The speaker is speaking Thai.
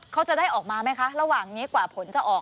เขาจะได้ออกมาไหมคะระหว่างนี้กว่าผลจะออก